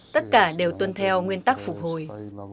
tất cả đều tuân theo nguyên tắc phục hồi